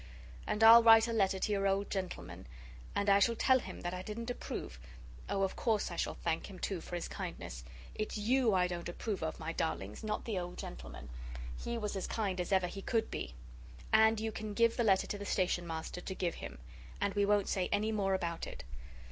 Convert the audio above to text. "And I'll write a letter to your old gentleman, and I shall tell him that I didn't approve oh, of course I shall thank him, too, for his kindness. It's YOU I don't approve of, my darlings, not the old gentleman. He was as kind as ever he could be. And you can give the letter to the Station Master to give him and we won't say any more about it."